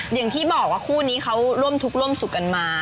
อย่างที่บอกว่าคู่นี้เขาร่วมทุกข์ร่วมสุขกันมา